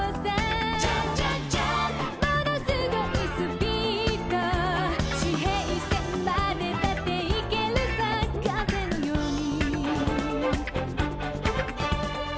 ものすごいスピード」「地平線までだっていけるさ風のように」